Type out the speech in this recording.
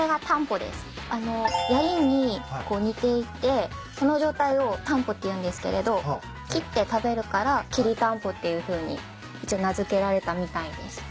あのやりに似ていてその状態を「たんぽ」って言うんですけれど切って食べるから「きりたんぽ」っていうふうに一応名付けられたみたいです。